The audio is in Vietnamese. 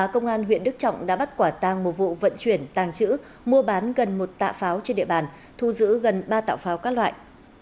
công an huyện đức trọng đã bắt quả tàng một vụ vận chuyển tàng trữ mua bán gần một tạ pháo trên địa bàn thu giữ gần ba tạo pháo các loại